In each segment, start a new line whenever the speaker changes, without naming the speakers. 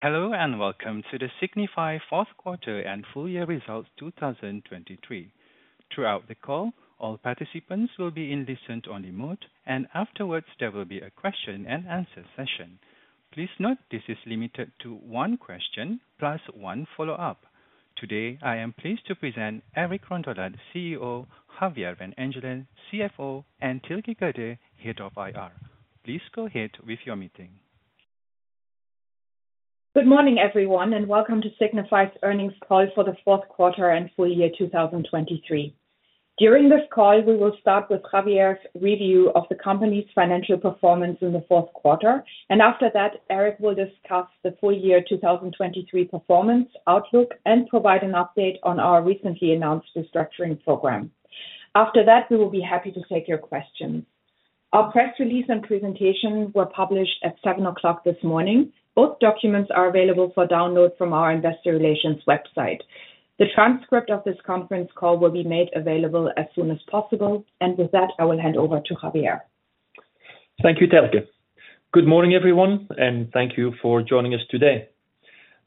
Hello, and welcome to the Signify Fourth Quarter and Full Year Results 2023. Throughout the call, all participants will be in listen-only mode, and afterwards, there will be a question and answer session. Please note, this is limited to one question plus one follow-up. Today, I am pleased to present Eric Rondolat, CEO, Javier van Engelen, CFO, and Thelke Gerdes, Head of IR. Please go ahead with your meeting.
Good morning, everyone, and welcome to Signify's earnings call for the fourth quarter and full year 2023. During this call, we will start with Javier's review of the company's financial performance in the fourth quarter, and after that, Eric will discuss the full year 2023 performance, outlook, and provide an update on our recently announced restructuring program. After that, we will be happy to take your questions. Our press release and presentation were published at 7:00 A.M. this morning. Both documents are available for download from our investor relations website. The transcript of this conference call will be made available as soon as possible, and with that, I will hand over to Javier.
Thank you, Thelke. Good morning, everyone, and thank you for joining us today.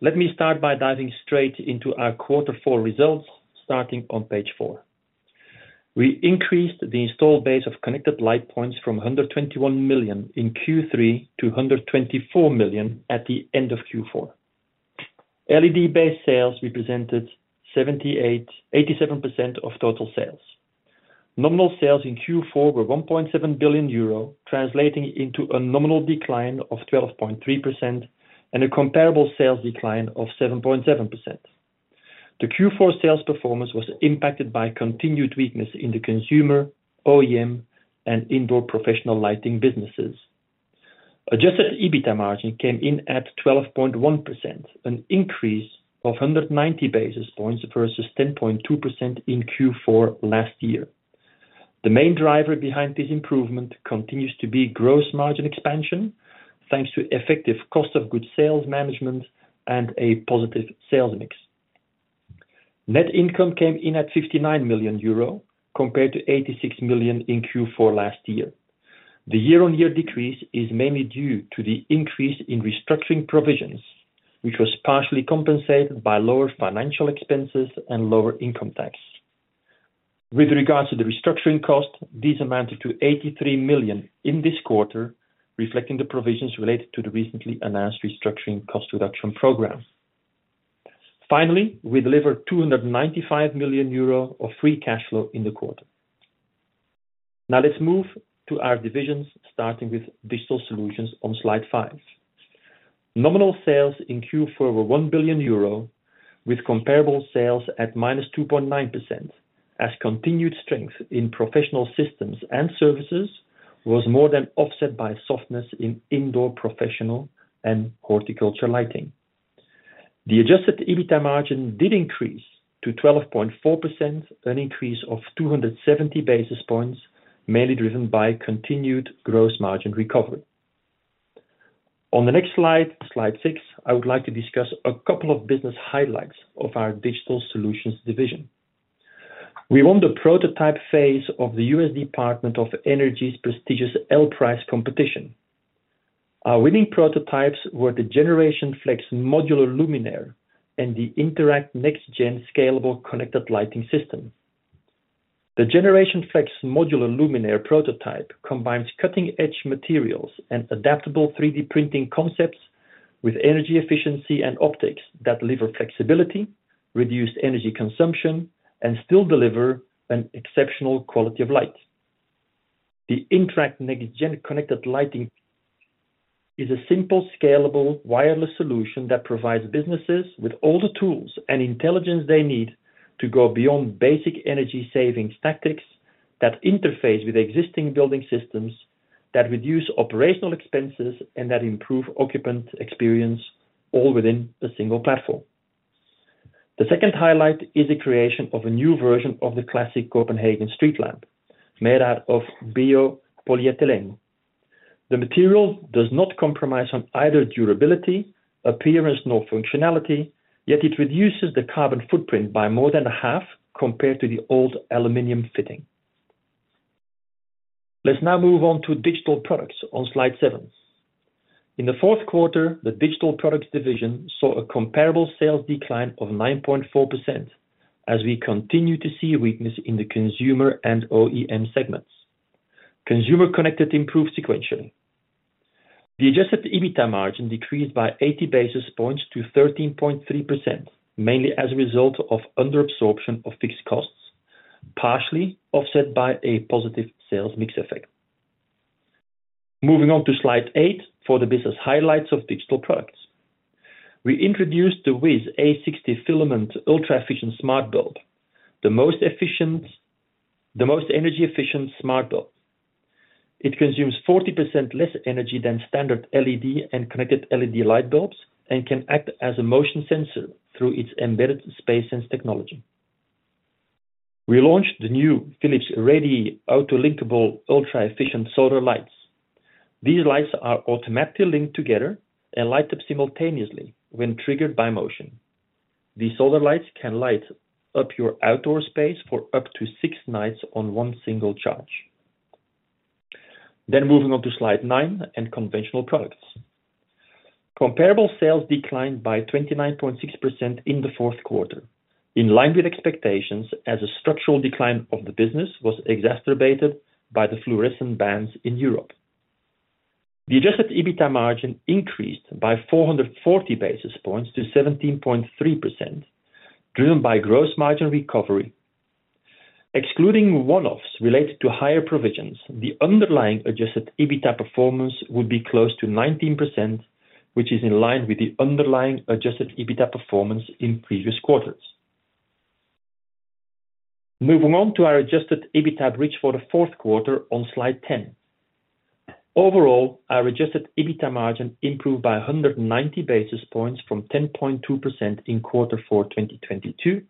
Let me start by diving straight into our quarter four results, starting on page 4. We increased the install base of connected light points from 121 million in Q3 to 124 million at the end of Q4. LED-based sales represented 87% of total sales. Nominal sales in Q4 were 1.7 billion euro, translating into a nominal decline of 12.3% and a comparable sales decline of 7.7%. The Q4 sales performance was impacted by continued weakness in the consumer, OEM, and indoor professional lighting businesses. Adjusted EBITDA margin came in at 12.1%, an increase of 190 basis points versus 10.2% in Q4 last year. The main driver behind this improvement continues to be gross margin expansion, thanks to effective cost of goods sales management and a positive sales mix. Net income came in at 59 million euro, compared to 86 million in Q4 last year. The year-on-year decrease is mainly due to the increase in restructuring provisions, which was partially compensated by lower financial expenses and lower income tax. With regards to the restructuring cost, this amounted to 83 million in this quarter, reflecting the provisions related to the recently announced restructuring cost reduction program. Finally, we delivered 295 million euro of free cash flow in the quarter. Now, let's move to our divisions, starting with Digital Solutions on slide five. Nominal sales in Q4 were 1 billion euro, with comparable sales at -2.9%, as continued strength in professional systems and services was more than offset by softness in indoor, professional, and horticulture lighting. The adjusted EBITDA margin did increase to 12.4%, an increase of 270 basis points, mainly driven by continued gross margin recovery. On the next slide, slide 6, I would like to discuss a couple of business highlights of our Digital Solutions division. We won the prototype phase of the U.S. Department of Energy's prestigious L-Prize competition. Our winning prototypes were the Generation Flex Modular Luminaire and the Interact Next Gen Scalable Connected Lighting System. The Generation Flex Modular Luminaire prototype combines cutting-edge materials and adaptable 3D printing concepts with energy efficiency and optics that deliver flexibility, reduced energy consumption, and still deliver an exceptional quality of light. The Interact Next Gen Connected Lighting is a simple, scalable, wireless solution that provides businesses with all the tools and intelligence they need to go beyond basic energy savings tactics that interface with existing building systems, that reduce operational expenses, and that improve occupant experience all within a single platform. The second highlight is the creation of a new version of the classic Copenhagen street lamp, made out of bio-polyethylene. The material does not compromise on either durability, appearance, nor functionality, yet it reduces the carbon footprint by more than half compared to the old aluminum fitting. Let's now move on to Digital Products on slide seven. In the fourth quarter, the Digital Products division saw a comparable sales decline of 9.4%, as we continue to see weakness in the consumer and OEM segments. Consumer connected improved sequentially. The adjusted EBITDA margin decreased by 80 basis points to 13.3%, mainly as a result of under absorption of fixed costs, partially offset by a positive sales mix effect. Moving on to slide 8 for the business highlights of Digital Products. We introduced the WiZ A60 filament ultra-efficient smart bulb, the most energy-efficient smart bulb. It consumes 40% less energy than standard LED and connected LED light bulbs and can act as a motion sensor through its embedded SpaceSense technology. We launched the new Philips Radii auto-linkable ultra-efficient solar lights. These lights are automatically linked together and light up simultaneously when triggered by motion. These solar lights can light up your outdoor space for up to 6 nights on one single charge. Then moving on to Slide 9 and conventional products. Comparable sales declined by 29.6% in the fourth quarter, in line with expectations, as a structural decline of the business was exacerbated by the fluorescent bans in Europe. The adjusted EBITDA margin increased by 440 basis points to 17.3%, driven by gross margin recovery. Excluding one-offs related to higher provisions, the underlying adjusted EBITDA performance would be close to 19%, which is in line with the underlying adjusted EBITDA performance in previous quarters. Moving on to our adjusted EBITDA bridge for the fourth quarter on Slide 10. Overall, our adjusted EBITDA margin improved by 190 basis points from 10.2% in quarter four, 2022,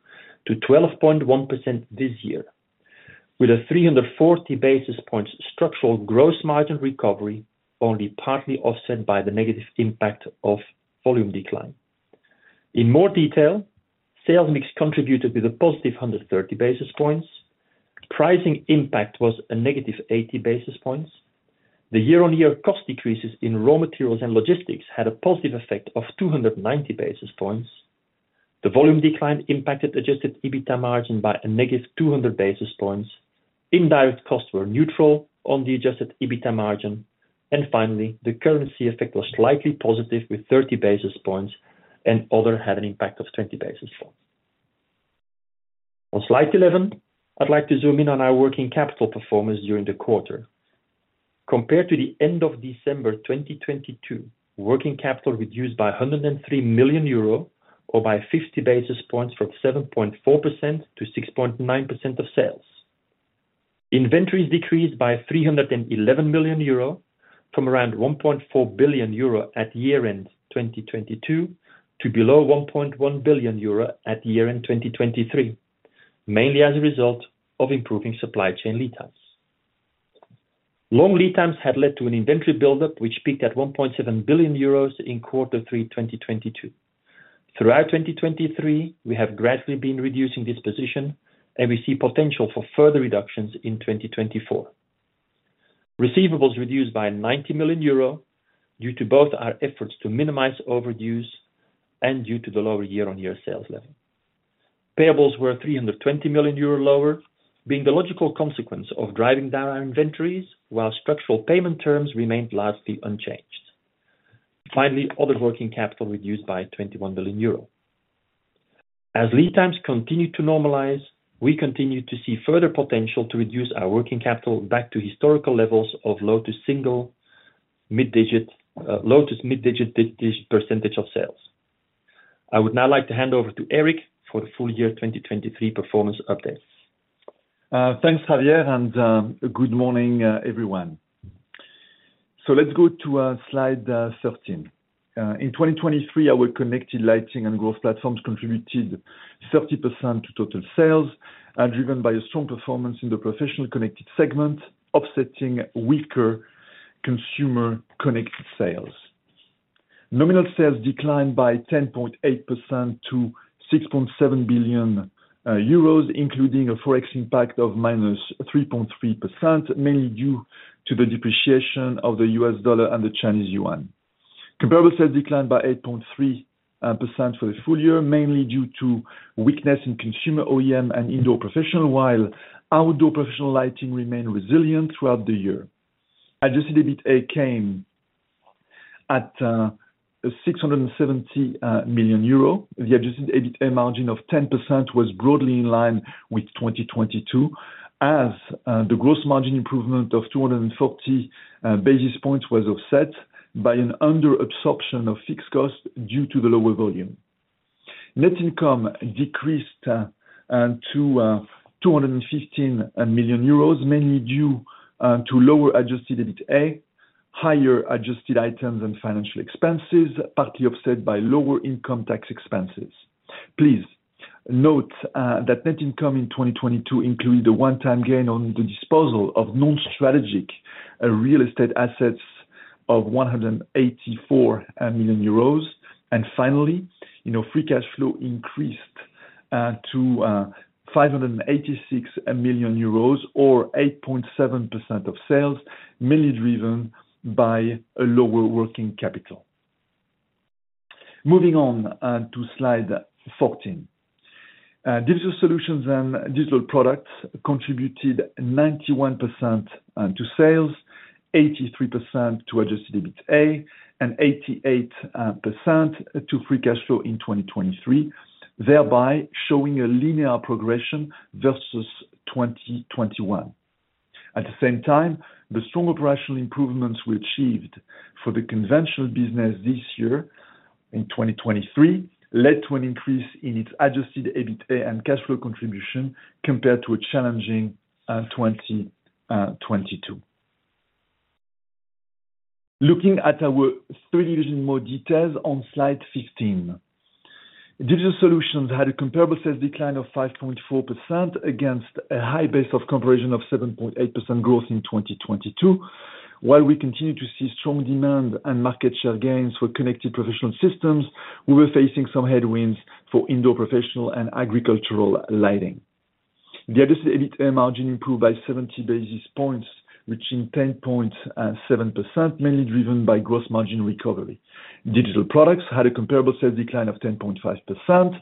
to 12.1% this year, with a 340 basis points structural gross margin recovery, only partly offset by the negative impact of volume decline. In more detail, sales mix contributed with a positive 130 basis points. Pricing impact was a negative 80 basis points. The year-over-year cost decreases in raw materials and logistics had a positive effect of 290 basis points. The volume decline impacted adjusted EBITDA margin by a negative 200 basis points. Indirect costs were neutral on the adjusted EBITDA margin. And finally, the currency effect was slightly positive, with 30 basis points, and other had an impact of 20 basis points. On Slide 11, I'd like to zoom in on our working capital performance during the quarter. Compared to the end of December 2022, working capital reduced by 103 million euro, or by 50 basis points from 7.4% to 6.9% of sales. Inventories decreased by 311 million euro, from around 1.4 billion euro at year-end 2022, to below 1.1 billion euro at year-end 2023, mainly as a result of improving supply chain lead times. Long lead times had led to an inventory buildup, which peaked at 1.7 billion euros in quarter 3, 2022. Throughout 2023, we have gradually been reducing this position, and we see potential for further reductions in 2024. Receivables reduced by 90 million euro due to both our efforts to minimize overdues and due to the lower year-on-year sales level. Payables were 320 million euro lower, being the logical consequence of driving down our inventories while structural payment terms remained largely unchanged. Finally, other working capital reduced by 21 billion euro. As lead times continue to normalize, we continue to see further potential to reduce our working capital back to historical levels of low to single mid digits, low to mid digit percentage of sales. I would now like to hand over to Eric for the full year 2023 performance updates.
Thanks, Javier, and good morning, everyone. So let's go to slide 13. In 2023, our connected lighting and growth platforms contributed 30% to total sales and driven by a strong performance in the professional connected segment, offsetting weaker consumer connected sales. Nominal sales declined by 10.8% to 6.7 billion euros, including a forex impact of -3.3%, mainly due to the depreciation of the US dollar and the Chinese yuan. Comparable sales declined by 8.3% for the full year, mainly due to weakness in consumer OEM and indoor professional, while outdoor professional lighting remained resilient throughout the year. Adjusted EBITA came at 670 million euro. The adjusted EBITA margin of 10% was broadly in line with 2022, as the gross margin improvement of 240 basis points was offset by an under absorption of fixed cost due to the lower volume. Net income decreased to 215 million euros, mainly due to lower adjusted EBITA, higher adjusted items and financial expenses, partly offset by lower income tax expenses. Please note that net income in 2022 included a one-time gain on the disposal of non-strategic real estate assets of 184 million euros. And finally, you know, free cash flow increased to 586 million euros, or 8.7% of sales, mainly driven by a lower working capital. Moving on to slide 14. Digital solutions and digital products contributed 91% to sales, 83% to adjusted EBITA, and 88% to free cash flow in 2023, thereby showing a linear progression versus 2021. At the same time, the strong operational improvements we achieved for the conventional business this year in 2023 led to an increase in its adjusted EBITA and cash flow contribution compared to a challenging 2022. Looking at our strategy in more details on slide 15. Digital solutions had a comparable sales decline of 5.4% against a high base of comparison of 7.8% growth in 2022. While we continue to see strong demand and market share gains for connected professional systems, we were facing some headwinds for indoor professional and agricultural lighting. The Adjusted EBITA margin improved by 70 basis points, reaching 10.7%, mainly driven by gross margin recovery. Digital products had a comparable sales decline of 10.5%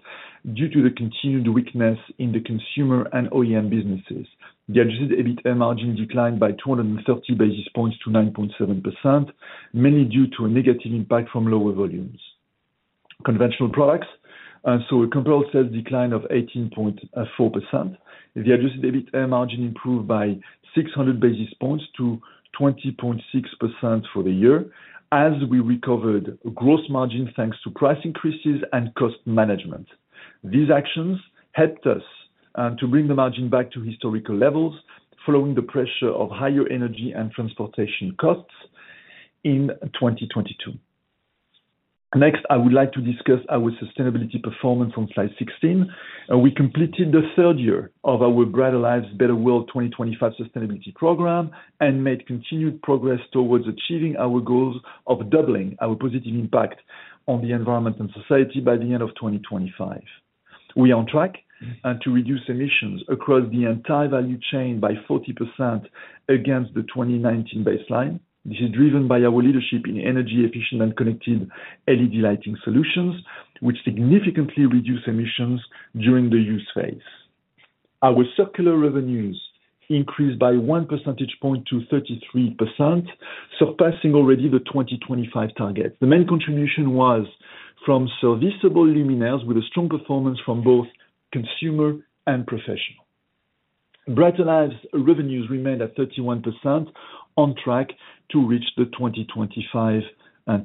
due to the continued weakness in the consumer and OEM businesses. The Adjusted EBITA margin declined by 230 basis points to 9.7%, mainly due to a negative impact from lower volumes. Conventional products, and so a comparable sales decline of 18.4%. The Adjusted EBITA margin improved by 600 basis points to 20.6% for the year, as we recovered gross margin, thanks to price increases and cost management. These actions helped us to bring the margin back to historical levels, following the pressure of higher energy and transportation costs in 2022. Next, I would like to discuss our sustainability performance on slide 16. We completed the third year of our Bright Lives, Better World 2025 sustainability program, and made continued progress towards achieving our goals of doubling our positive impact on the environment and society by the end of 2025. We are on track, and to reduce emissions across the entire value chain by 40% against the 2019 baseline, which is driven by our leadership in energy efficient and connected LED lighting solutions, which significantly reduce emissions during the use phase. Our circular revenues increased by one percentage point to 33%, surpassing already the 2025 target. The main contribution was from serviceable luminaires with a strong performance from both consumer and professional. Bright Lives revenues remained at 31%, on track to reach the 2025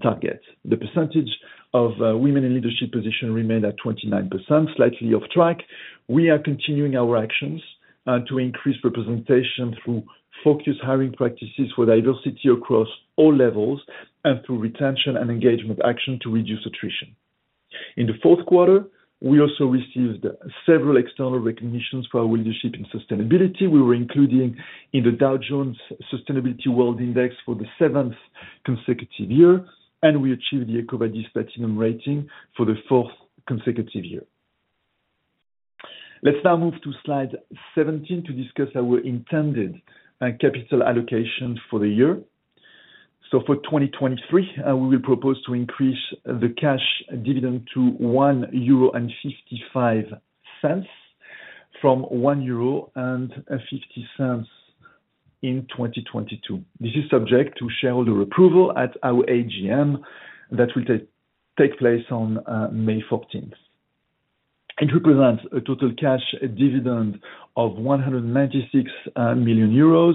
target. The percentage of women in leadership position remained at 29%, slightly off track. We are continuing our actions to increase representation through focused hiring practices for diversity across all levels and through retention and engagement action to reduce attrition. In the fourth quarter, we also received several external recognitions for our leadership in sustainability. We were included in the Dow Jones Sustainability World Index for the seventh consecutive year, and we achieved the EcoVadis Platinum rating for the fourth consecutive year. Let's now move to slide 17 to discuss our intended capital allocation for the year. For 2023, we will propose to increase the cash dividend to 1.55 euro, from 1.50 euro in 2022. This is subject to shareholder approval at our AGM that will take place on May fourteenth. It represents a total cash dividend of 196 million euros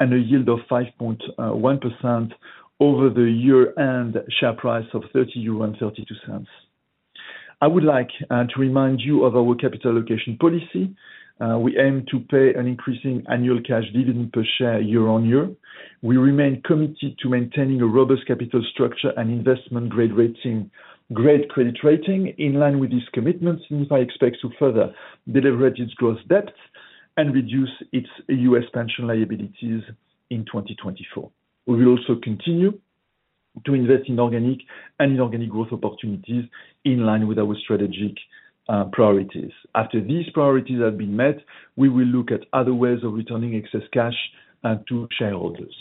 and a yield of 5.1% over the year-end share price of 30.32 euros. I would like to remind you of our capital allocation policy. We aim to pay an increasing annual cash dividend per share year on year. We remain committed to maintaining a robust capital structure and investment grade rating, grade credit rating. In line with these commitments, Signify expects to further deleverage its gross debt and reduce its U.S. pension liabilities in 2024. We will also continue to invest in organic and inorganic growth opportunities in line with our strategic priorities. After these priorities have been met, we will look at other ways of returning excess cash to shareholders.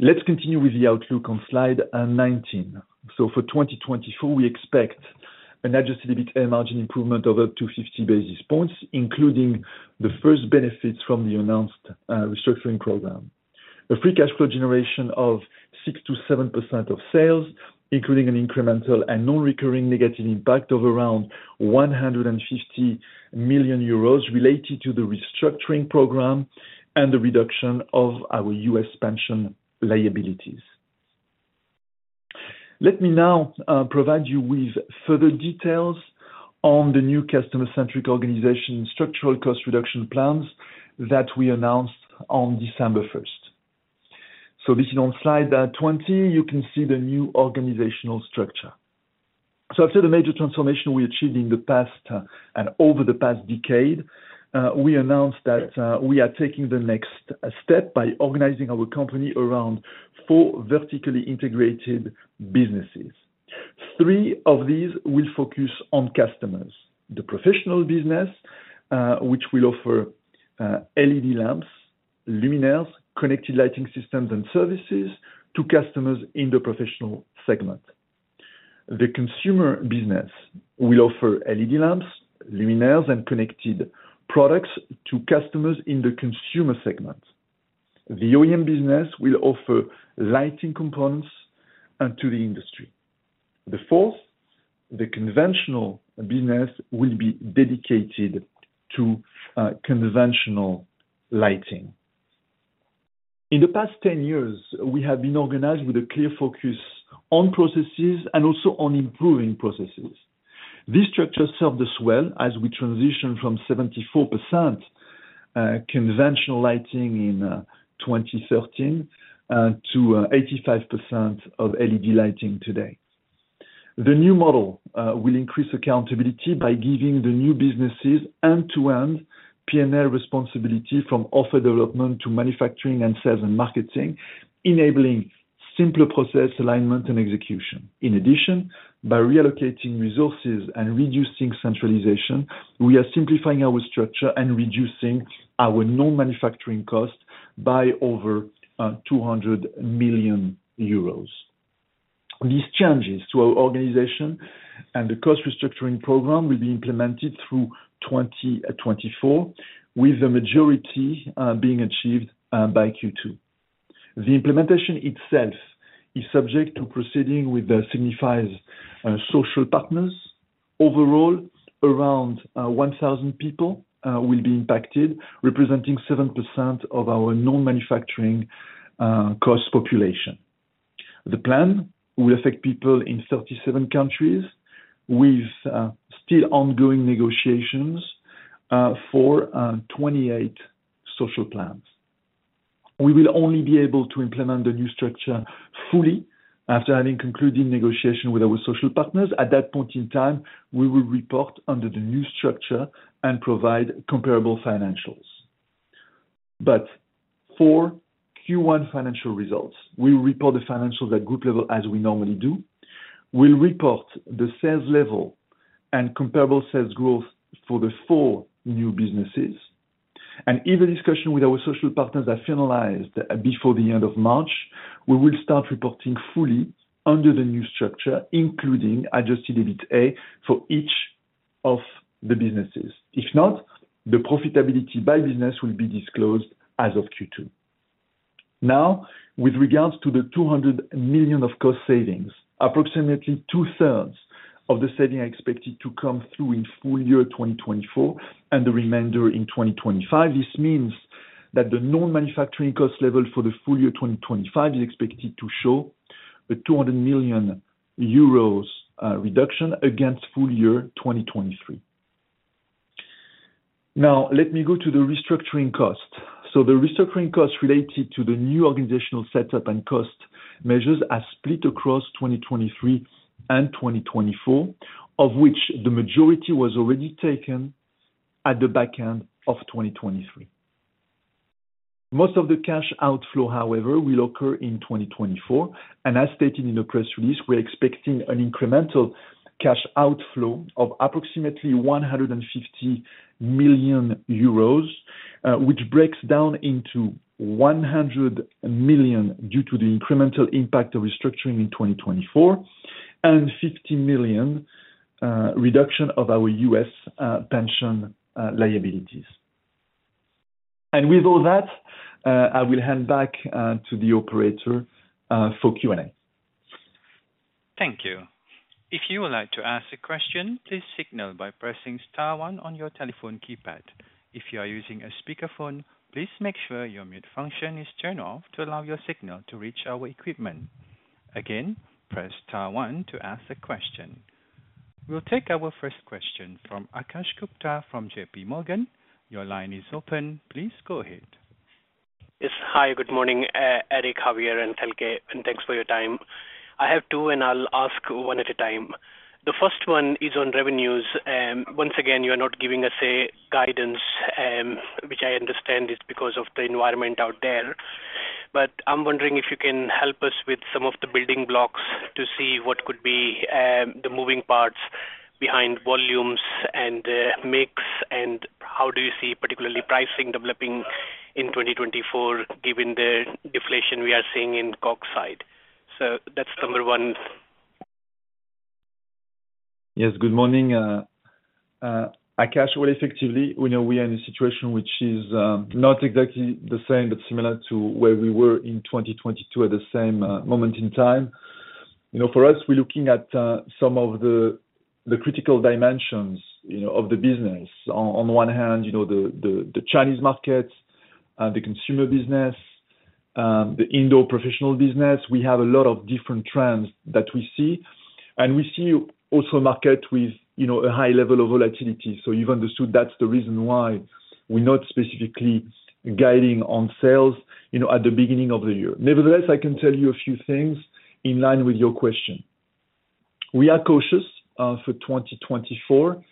Let's continue with the outlook on slide 19. For 2024, we expect an adjusted EBITA margin improvement of up to 50 basis points, including the first benefits from the announced restructuring program. A free cash flow generation of 6%-7% of sales, including an incremental and non-recurring negative impact of around 150 million euros related to the restructuring program and the reduction of our U.S. pension liabilities. Let me now provide you with further details on the new customer-centric organization structural cost reduction plans that we announced on December 1. This is on slide 20, you can see the new organizational structure. After the major transformation we achieved in the past and over the past decade, we announced that we are taking the next step by organizing our company around four vertically integrated businesses. Three of these will focus on customers. The professional business, which will offer LED lamps, luminaires, connected lighting systems and services to customers in the professional segment. The consumer business will offer LED lamps, luminaires, and connected products to customers in the consumer segment. The OEM business will offer lighting components to the industry. The fourth, the conventional business, will be dedicated to conventional lighting. In the past 10 years, we have been organized with a clear focus on processes and also on improving processes. This structure served us well as we transition from 74% conventional lighting in 2013 to 85% of LED lighting today. The new model will increase accountability by giving the new businesses end-to-end P&L responsibility from offer development to manufacturing and sales and marketing, enabling simpler process, alignment, and execution. In addition, by reallocating resources and reducing centralization, we are simplifying our structure and reducing our non-manufacturing costs by over 200 million euros. These changes to our organization and the cost restructuring program will be implemented through 2024, with the majority being achieved by Q2. The implementation itself is subject to proceeding with Signify's social partners. Overall, around 1,000 people will be impacted, representing 7% of our non-manufacturing cost population. The plan will affect people in 37 countries with still ongoing negotiations for 28 social plans. We will only be able to implement the new structure fully after having concluding negotiation with our social partners. At that point in time, we will report under the new structure and provide comparable financials. But for Q1 financial results, we'll report the financials at group level as we normally do. We'll report the sales level and comparable sales growth for the four new businesses, and if the discussion with our social partners are finalized before the end of March, we will start reporting fully under the new structure, including Adjusted EBITA, for each of the businesses. If not, the profitability by business will be disclosed as of Q2. Now, with regards to the 200 million of cost savings, approximately two-thirds of the saving are expected to come through in full year 2024, and the remainder in 2025. This means that the non-manufacturing cost level for the full year 2025 is expected to show the 200 million euros reduction against full year 2023. Now, let me go to the restructuring cost. So the restructuring costs related to the new organizational setup and cost measures are split across 2023 and 2024, of which the majority was already taken at the back end of 2023. Most of the cash outflow, however, will occur in 2024, and as stated in the press release, we're expecting an incremental cash outflow of approximately 150 million euros, which breaks down into 100 million due to the incremental impact of restructuring in 2024, and 50 million reduction of our U.S. pension liabilities. And with all that, I will hand back to the operator for Q&A.
Thank you. If you would like to ask a question, please signal by pressing star one on your telephone keypad. If you are using a speakerphone, please make sure your mute function is turned off to allow your signal to reach our equipment. Again, press star one to ask a question. We'll take our first question from Akash Gupta from JP Morgan. Your line is open. Please go ahead.
Yes. Hi, good morning, Eric, Javier, and Thelke, and thanks for your time. I have two, and I'll ask one at a time. The first one is on revenues. Once again, you are not giving us a guidance, which I understand is because of the environment out there. But I'm wondering if you can help us with some of the building blocks to see what could be, the moving parts behind volumes and, mix, and how do you see, particularly pricing developing in 2024, given the deflation we are seeing in COGS side? So that's number one.
Yes, good morning, Akash. Well, effectively, we know we are in a situation which is not exactly the same, but similar to where we were in 2022 at the same moment in time. You know, for us, we're looking at some of the critical dimensions, you know, of the business. On the one hand, you know, the Chinese markets, the consumer business, the indoor professional business, we have a lot of different trends that we see, and we see also market with, you know, a high level of volatility. So you've understood that's the reason why we're not specifically guiding on sales, you know, at the beginning of the year. Nevertheless, I can tell you a few things in line with your question. We are cautious for 2024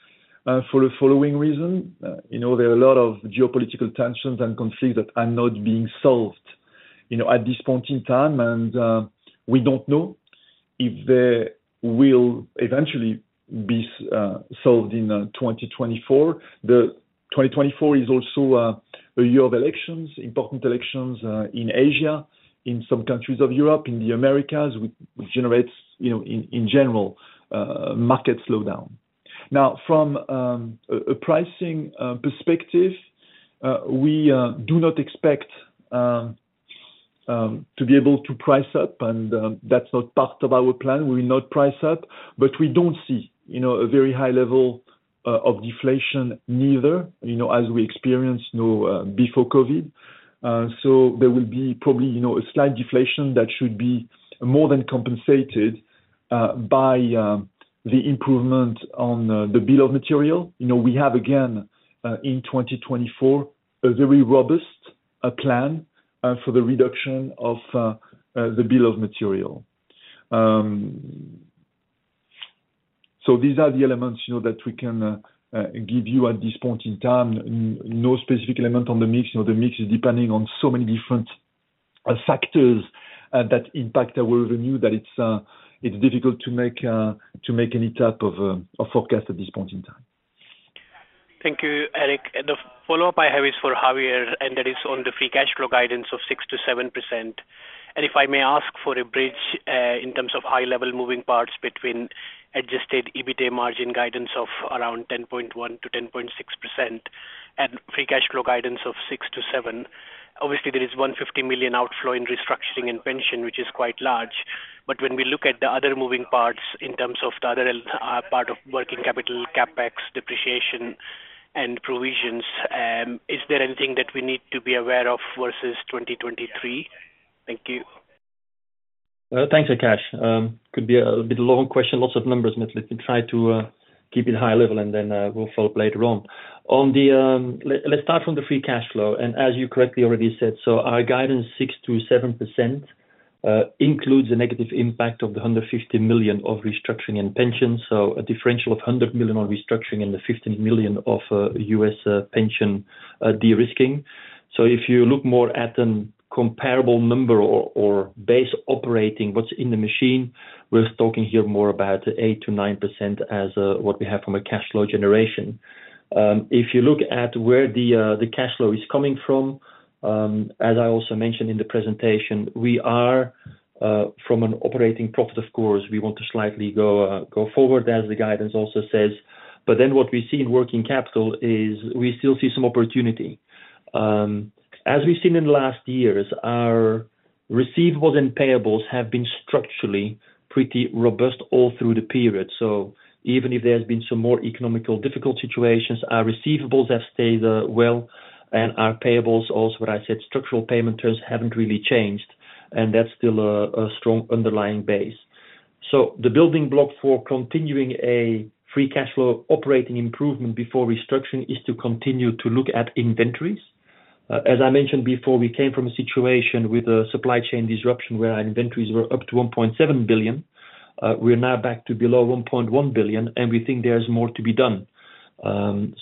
for the following reason: you know, there are a lot of geopolitical tensions and conflicts that are not being solved, you know, at this point in time, and we don't know if they will eventually be solved in 2024. The 2024 is also a year of elections, important elections in Asia, in some countries of Europe, in the Americas, which generates, you know, in general, market slowdown. Now, from a pricing perspective, we do not expect to be able to price up, and that's not part of our plan. We will not price up, but we don't see, you know, a very high level of deflation neither, you know, as we experience, you know, before COVID. So there will be probably, you know, a slight deflation that should be more than compensated by the improvement on the bill of material. You know, we have, again, in 2024, a very robust plan for the reduction of the bill of material. So these are the elements, you know, that we can give you at this point in time. No specific element on the mix. You know, the mix is depending on so many different factors that impact our revenue, that it's difficult to make any type of a forecast at this point in time.
Thank you, Eric. The follow-up I have is for Javier, and that is on the free cash flow guidance of 6%-7%. If I may ask for a bridge in terms of high-level moving parts between adjusted EBITA margin guidance of around 10.1%-10.6% and free cash flow guidance of 6%-7%. Obviously, there is 150 million outflow in restructuring and pension, which is quite large. When we look at the other moving parts in terms of the other part of working capital, CapEx, depreciation, and provisions, is there anything that we need to be aware of versus 2023? Thank you.
Thanks, Akash. Could be a bit long question, lots of numbers, but let me try to keep it high level, and then we'll follow up later on. On the-- Let's start from the free cash flow, and as you correctly already said, so our guidance 6%-7% includes a negative impact of the 150 million of restructuring and pensions. So a differential of 100 million on restructuring and the 50 million of US pension de-risking. So if you look more at the comparable number or base operating, what's in the machine, we're talking here more about 8%-9% as what we have from a cash flow generation. If you look at where the cash flow is coming from, as I also mentioned in the presentation, we are from an operating profit, of course, we want to slightly go forward, as the guidance also says. But then what we see in working capital is we still see some opportunity. As we've seen in the last years, our receivables and payables have been structurally pretty robust all through the period. So even if there's been some more economic difficult situations, our receivables have stayed well, and our payables also, what I said, structural payment terms haven't really changed, and that's still a strong underlying base. So the building block for continuing a free cash flow operating improvement before restructuring is to continue to look at inventories. As I mentioned before, we came from a situation with a supply chain disruption where our inventories were up to 1.7 billion. We are now back to below 1.1 billion, and we think there is more to be done.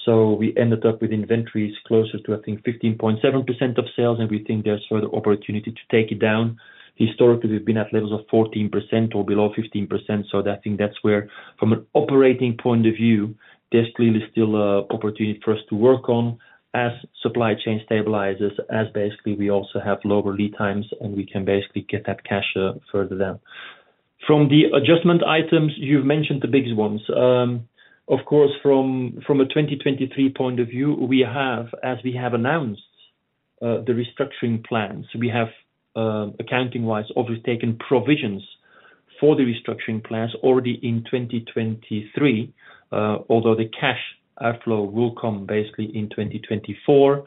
So we ended up with inventories closer to, I think, 15.7% of sales, and we think there's further opportunity to take it down. Historically, we've been at levels of 14% or below 15%, so I think that's where, from an operating point of view, there's clearly still a opportunity for us to work on as supply chain stabilizes, as basically we also have lower lead times, and we can basically get that cash further down. From the adjustment items, you've mentioned the biggest ones. Of course, from a 2023 point of view, we have, as we have announced, the restructuring plans. We have, accounting-wise, obviously taken provisions for the restructuring plans already in 2023, although the cash outflow will come basically in 2024.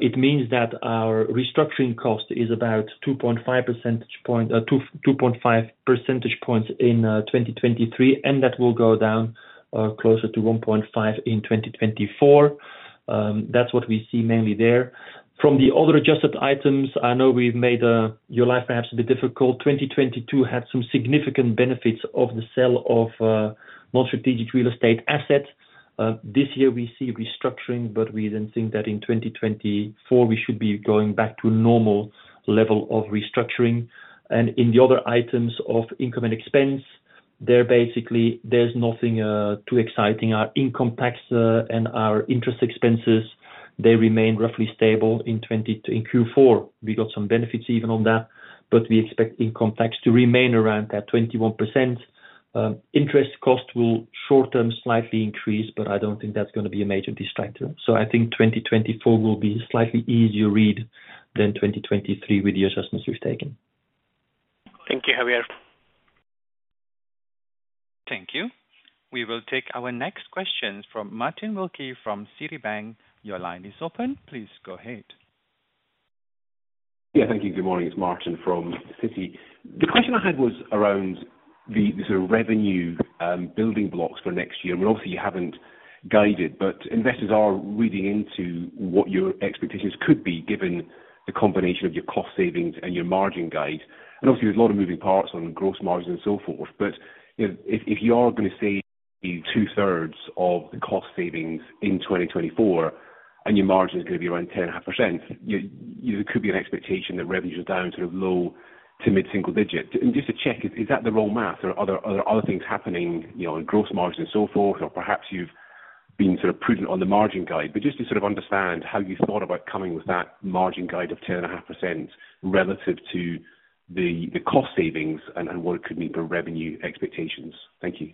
It means that our restructuring cost is about 2.5 percentage points in 2023, and that will go down closer to 1.5 in 2024. That's what we see mainly there. From the other adjusted items, I know we've made your life perhaps a bit difficult. 2022 had some significant benefits of the sale of more strategic real estate assets. This year we see restructuring, but we then think that in 2024, we should be going back to normal level of restructuring. In the other items of income and expense, they're basically. There's nothing too exciting. Our income tax and our interest expenses, they remain roughly stable in Q4. We got some benefits even on that, but we expect income tax to remain around that 21%. Interest cost will short-term slightly increase, but I don't think that's gonna be a major distractor. So I think 2024 will be slightly easier read than 2023 with the assessments we've taken.
Thank you, Javier.
Thank you. We will take our next question from Martin Wilkie, from Citibank. Your line is open. Please go ahead.
Yeah. Thank you. Good morning, it's Martin from Citi. The question I had was around the sort of revenue building blocks for next year. And obviously, you haven't guided, but investors are reading into what your expectations could be, given the combination of your cost savings and your margin guide. And obviously, there's a lot of moving parts on gross margin and so forth. But, you know, if you are gonna save two-thirds of the cost savings in 2024, and your margin is gonna be around 10.5%, there could be an expectation that revenues are down sort of low to mid-single digits. And just to check, is that the wrong math, or are there other things happening, you know, on gross margin and so forth? Or perhaps you've been sort of prudent on the margin guide. Just to sort of understand how you thought about coming with that margin guide of 10.5% relative to the, the cost savings and, and what it could mean for revenue expectations. Thank you.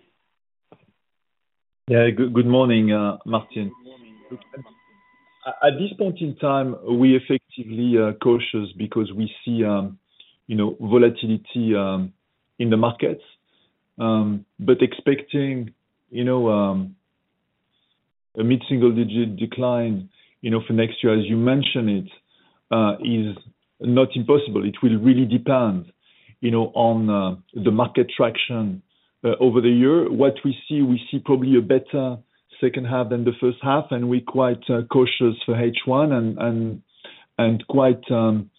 Yeah. Good morning, Martin. At this point in time, we effectively are cautious because we see, you know, volatility in the markets. But expecting, you know, a mid-single digit decline, you know, for next year, as you mentioned it, is not impossible. It will really depend, you know, on the market traction over the year. What we see, we see probably a better second half than the first half, and we're quite cautious for H1 and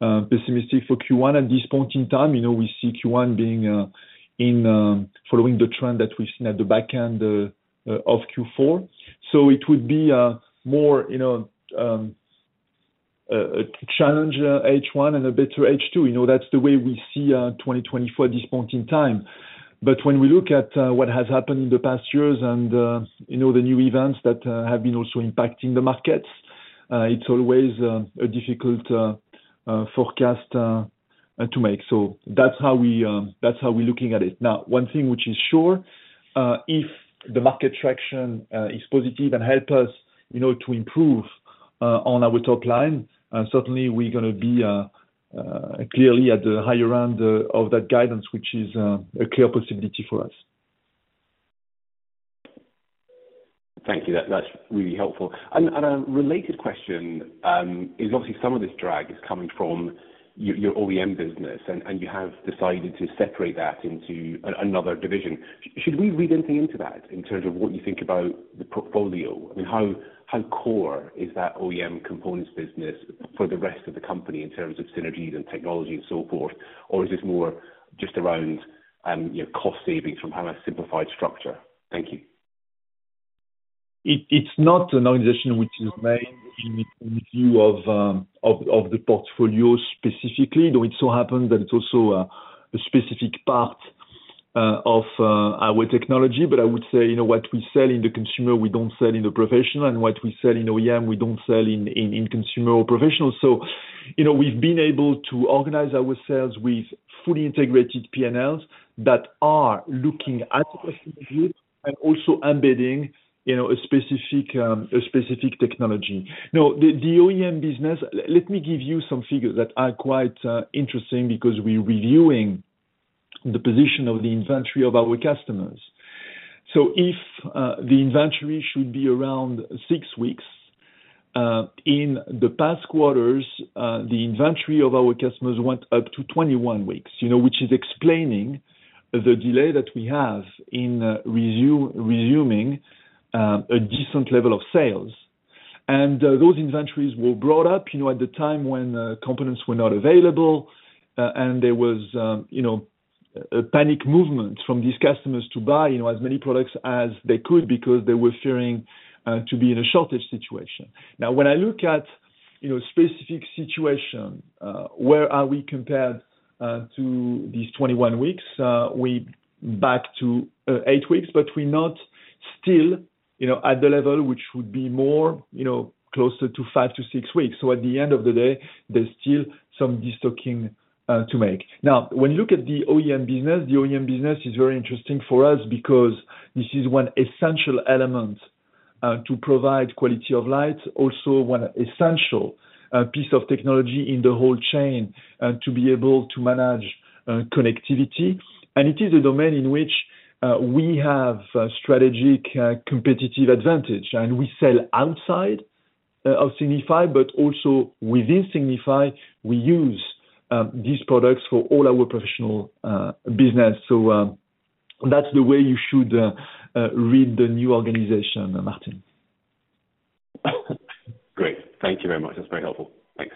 quite pessimistic for Q1 at this point in time. You know, we see Q1 being in following the trend that we've seen at the back end of Q4. So it would be more, you know, a challenge H1 and a better H2. You know, that's the way we see 2024 at this point in time. But when we look at what has happened in the past years and you know, the new events that have been also impacting the markets, it's always a difficult forecast to make. So that's how we're looking at it. Now, one thing which is sure, if the market traction is positive and help us, you know, to improve on our top line, certainly we're gonna be clearly at the higher end of that guidance, which is a clear possibility for us.
Thank you. That's really helpful. And a related question is obviously some of this drag is coming from your OEM business, and you have decided to separate that into another division. Should we read anything into that in terms of what you think about the portfolio? I mean, how core is that OEM components business for the rest of the company in terms of synergies and technology and so forth? Or is this more just around your cost savings from having a simplified structure? Thank you.
It's not an organization which is made in review of the portfolio specifically, though it so happens that it's also a specific part of our technology. But I would say, you know, what we sell in the consumer, we don't sell in the professional, and what we sell in OEM, we don't sell in consumer or professional. So, you know, we've been able to organize ourselves with fully integrated PNLs that are looking at a specific group and also embedding, you know, a specific technology. Now, the OEM business, let me give you some figures that are quite interesting because we're reviewing the position of the inventory of our customers. So if the inventory should be around 6 weeks, in the past quarters, the inventory of our customers went up to 21 weeks, you know, which is explaining the delay that we have in resuming a decent level of sales. Those inventories were brought up, you know, at the time when components were not available, and there was, you know, a panic movement from these customers to buy, you know, as many products as they could because they were fearing to be in a shortage situation. Now, when I look at, you know, specific situation, where are we compared to these 21 weeks, we back to 8 weeks, but we're not still, you know, at the level which would be more, you know, closer to 5-6 weeks. So at the end of the day, there's still some de-stocking to make. Now, when you look at the OEM business, the OEM business is very interesting for us because this is one essential element to provide quality of light, also one essential piece of technology in the whole chain to be able to manage connectivity. And it is a domain in which we have a strategic competitive advantage, and we sell outside of Signify, but also within Signify, we use these products for all our professional business. So, that's the way you should read the new organization, Martin.
Great. Thank you very much. That's very helpful. Thanks.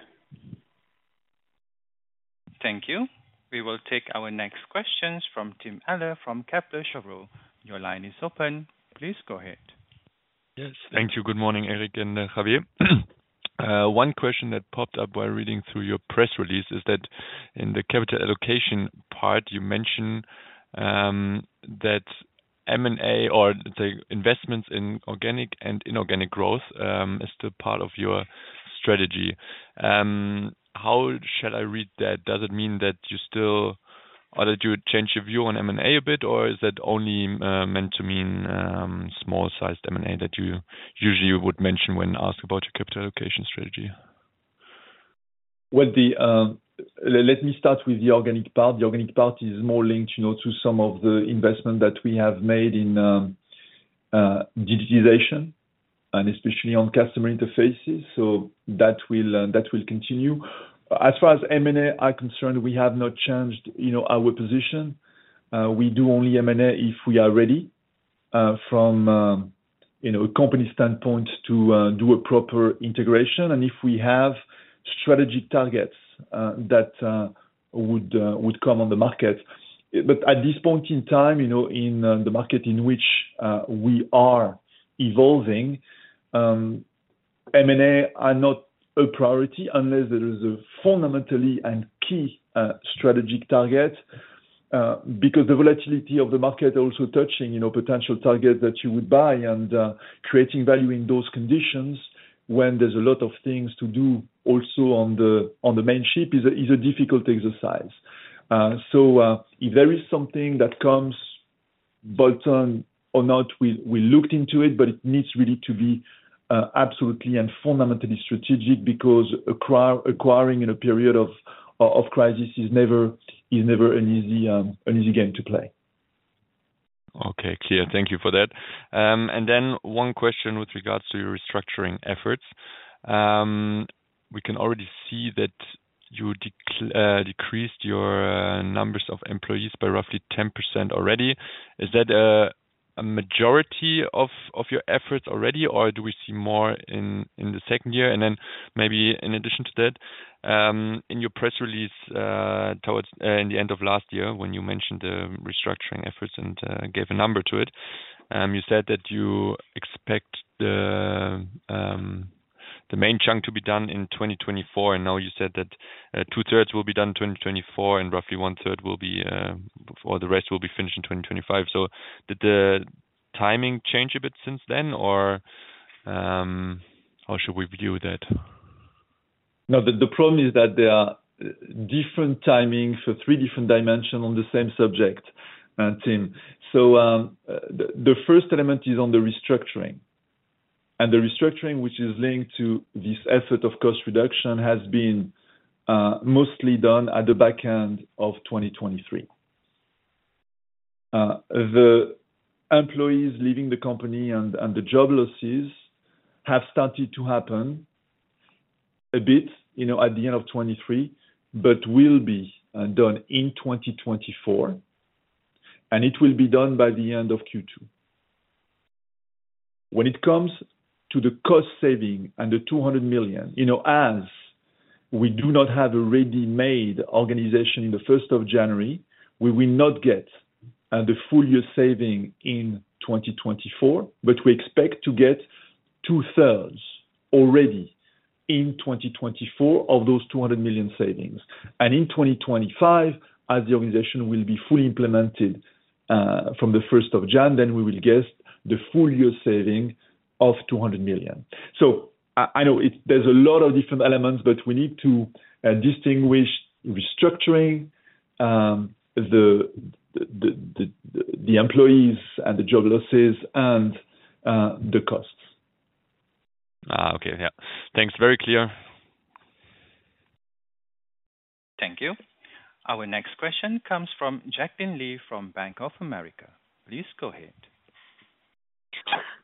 Thank you. We will take our next questions from Tim Ehlers from Kepler Cheuvreux. Your line is open. Please go ahead.
Yes. Thank you. Good morning, Eric and Javier. One question that popped up while reading through your press release is that in the capital allocation part, you mentioned that M&A or the investments in organic and inorganic growth is still part of your strategy. How shall I read that? Does it mean that you still... Either you change your view on M&A a bit, or is that only meant to mean small-sized M&A that you usually would mention when asked about your capital allocation strategy?
Well, let me start with the organic part. The organic part is more linked, you know, to some of the investment that we have made in digitization and especially on customer interfaces. So that will, that will continue. As far as M&A are concerned, we have not changed, you know, our position. We do only M&A if we are ready from, you know, a company standpoint to do a proper integration and if we have strategic targets that would come on the market. But at this point in time, you know, in the market in which we are evolving, M&A are not a priority unless there is a fundamentally and key strategic target because the volatility of the market also touching, you know, potential target that you would buy and creating value in those conditions when there's a lot of things to do also on the, on the main ship is a, is a difficult exercise. So if there is something that comes, but or not, we, we looked into it, but it needs really to be absolutely and fundamentally strategic because acquiring in a period of, of crisis is never, is never an easy, an easy game to play.
Okay, clear. Thank you for that. And then one question with regards to your restructuring efforts. We can already see that you decreased your numbers of employees by roughly 10% already. Is that a majority of your efforts already, or do we see more in the second year? And then maybe in addition to that, in your press release, toward the end of last year when you mentioned the restructuring efforts and gave a number to it, you said that you expect the main chunk to be done in 2024, and now you said that two-thirds will be done in 2024, and roughly one-third will be, or the rest will be finished in 2025. So did the timing change a bit since then, or, how should we view that?
No, the problem is that there are different timing, so three different dimension on the same subject, Tim. So, the first element is on the restructuring. And the restructuring, which is linked to this effort of cost reduction, has been mostly done at the back end of 2023. The employees leaving the company and the job losses have started to happen a bit, you know, at the end of 2023, but will be done in 2024, and it will be done by the end of Q2. When it comes to the cost saving and the 200 million, you know, as we do not have a ready-made organization in the first of January, we will not get the full year saving in 2024, but we expect to get two-thirds already in 2024 of those 200 million savings. And in 2025, as the organization will be fully implemented from the first of January, then we will get the full year saving of 200 million. So I know it. There's a lot of different elements, but we need to distinguish restructuring, the employees and the job losses and the costs.
Ah, okay. Yeah. Thanks. Very clear.
Thank you. Our next question comes from Jacqueline Lee from Bank of America. Please go ahead.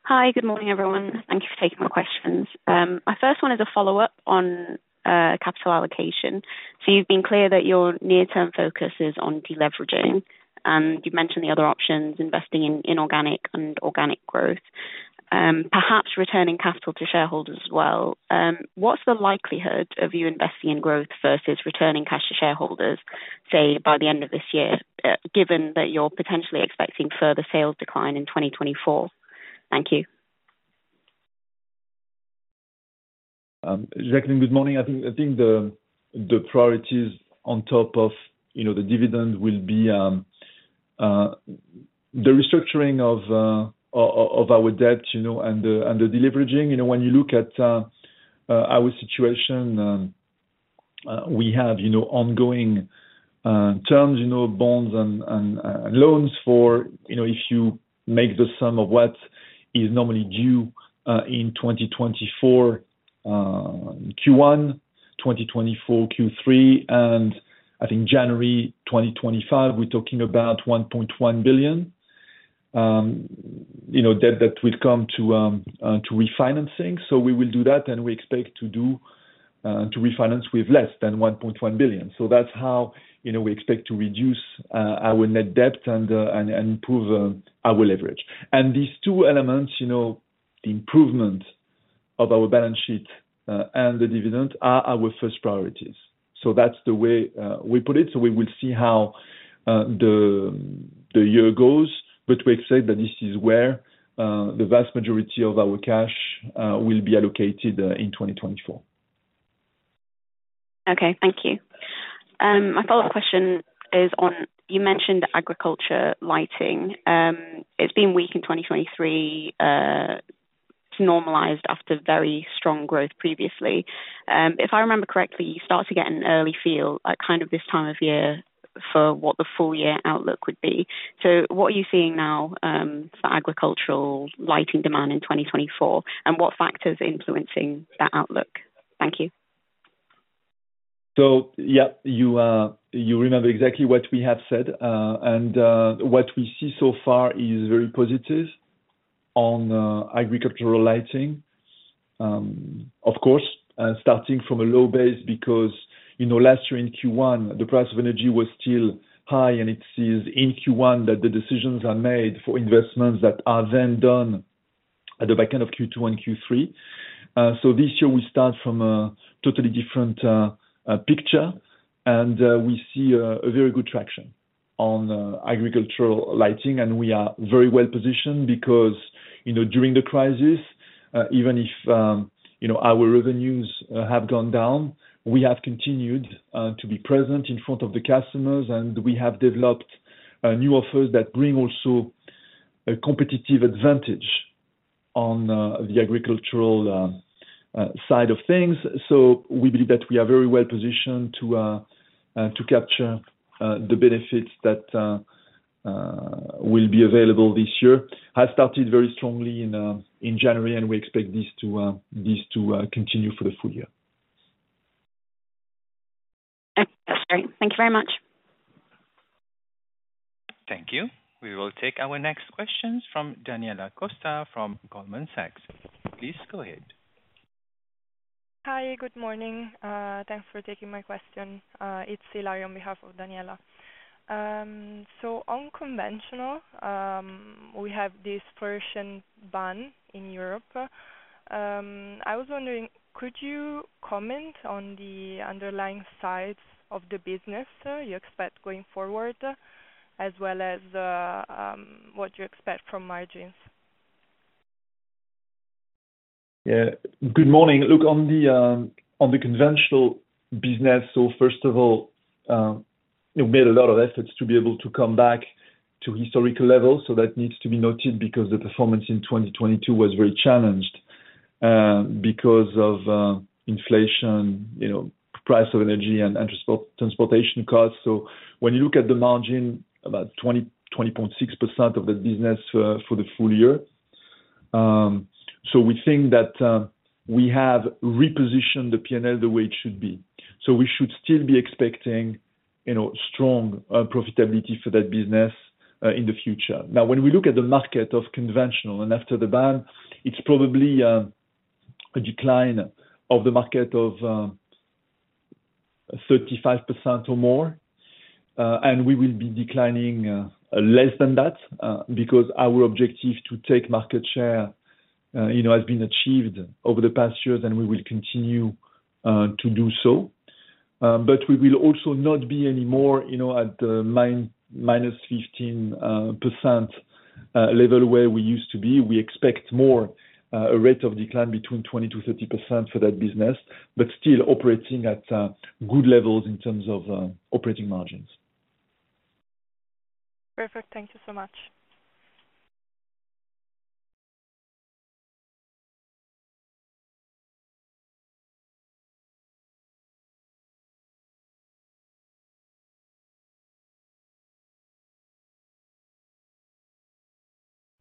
Hi. Good morning, everyone. Thank you for taking my questions. My first one is a follow-up on capital allocation. So you've been clear that your near-term focus is on deleveraging, and you've mentioned the other options, investing in inorganic and organic growth, perhaps returning capital to shareholders as well. What's the likelihood of you investing in growth versus returning cash to shareholders, say, by the end of this year, given that you're potentially expecting further sales decline in 2024? Thank you.
Jacqueline, good morning. I think the priorities on top of, you know, the dividend will be the restructuring of our debt, you know, and the deleveraging. You know, when you look at our situation, we have, you know, ongoing terms, you know, bonds and loans for, you know, if you make the sum of what is normally due in 2024 Q1, 2024 Q3, and I think January 2025, we're talking about 1.1 billion debt that will come to refinancing. So we will do that, and we expect to refinance with less than 1.1 billion. So that's how, you know, we expect to reduce our net debt and improve our leverage. These two elements, you know, improvement of our balance sheet and the dividend are our first priorities. So that's the way we put it, so we will see how the year goes, but we expect that this is where the vast majority of our cash will be allocated in 2024.
Okay. Thank you. My follow-up question is on... you mentioned agriculture lighting. It's been weak in 2023, normalized after very strong growth previously. If I remember correctly, you start to get an early feel, like, kind of this time of year, for what the full year outlook would be. So what are you seeing now, for agricultural lighting demand in 2024, and what factors are influencing that outlook? Thank you.
So, yeah, you remember exactly what we have said, and what we see so far is very positive on agricultural lighting. Of course, starting from a low base because, you know, last year in Q1, the price of energy was still high, and it is in Q1 that the decisions are made for investments that are then done at the back end of Q2 and Q3. So this year we start from a totally different picture, and we see a very good traction on agricultural lighting, and we are very well positioned because, you know, during the crisis, even if, you know, our revenues have gone down, we have continued to be present in front of the customers, and we have developed new offers that bring also a competitive advantage on the agricultural side of things. So we believe that we are very well positioned to capture the benefits that will be available this year. Has started very strongly in January, and we expect this to continue for the full year.
That's great. Thank you very much.
Thank you. We will take our next questions from Daniela Costa from Goldman Sachs. Please go ahead. ...
Hi, good morning. Thanks for taking my question. It's Hillary on behalf of Daniela. So on conventional, we have this fluorescent ban in Europe. I was wondering, could you comment on the underlying sales of the business you expect going forward, as well as what you expect from margins?
Yeah. Good morning. Look on the conventional business, so first of all, you made a lot of efforts to be able to come back to historical levels. So that needs to be noted because the performance in 2022 was very challenged because of inflation, you know, price of energy and transportation costs. So when you look at the margin, about 20.6% of the business for the full year. So we think that we have repositioned the P&L the way it should be. So we should still be expecting, you know, strong profitability for that business in the future. Now, when we look at the market of conventional and after the ban, it's probably a decline of the market of 35% or more. We will be declining less than that because our objective to take market share you know has been achieved over the past years, and we will continue to do so. But we will also not be anymore you know at the minus 15% level where we used to be. We expect more a rate of decline between 20%-30% for that business, but still operating at good levels in terms of operating margins.
Perfect. Thank you so much.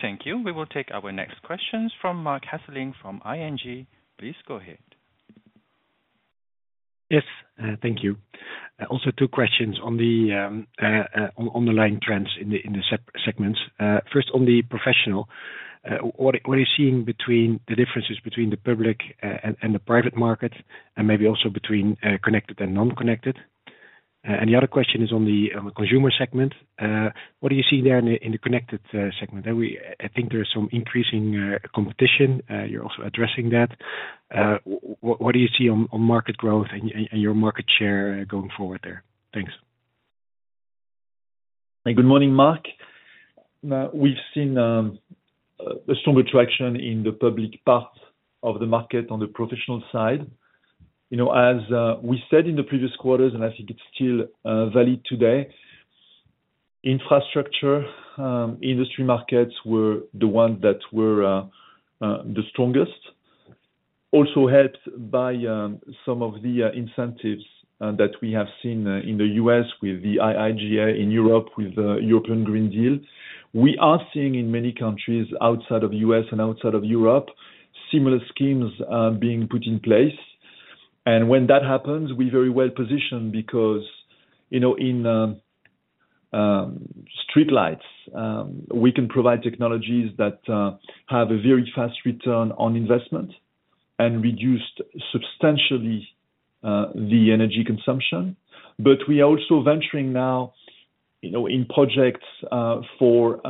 Thank you. We will take our next questions from Marc Hesselink, from ING. Please go ahead.
Yes, thank you. Also two questions on the underlying trends in the segments. First on the professional, what are you seeing between the differences between the public and the private market and maybe also between connected and non-connected? And the other question is on the consumer segment. What do you see there in the connected segment? Then we—I think there is some increasing competition you're also addressing that. What do you see on market growth and your market share going forward there? Thanks.
Good morning, Mark. We've seen a strong attraction in the public part of the market on the professional side. You know, as we said in the previous quarters, and I think it's still valid today, infrastructure industry markets were the ones that were the strongest. Also helped by some of the incentives that we have seen in the U.S. with the IIJA, in Europe, with European Green Deal. We are seeing in many countries outside of U.S. and outside of Europe, similar schemes being put in place. And when that happens, we're very well positioned because, you know, in streetlights, we can provide technologies that have a very fast return on investment and reduced substantially the energy consumption. But we are also venturing now, you know, in projects, for,